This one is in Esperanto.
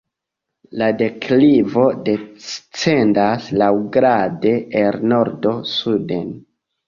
La deklivo descendas laŭgrade el nordo suden.